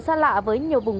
xa lạ với nhiều vùng